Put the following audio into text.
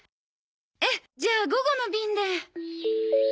ええじゃあ午後の便で。